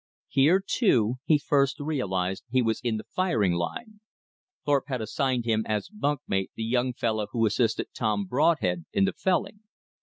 Here, too, he first realized he was in the firing line. Thorpe had assigned him as bunk mate the young fellow who assisted Tom Broadhead in the felling.